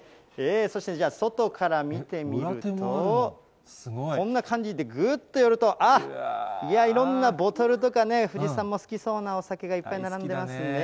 そして外から見てみると、こんな感じで、ぐっと寄ると、あっ、いろんなボトルとかね、藤井さんも好きそうなお酒がいっぱい並んでますね。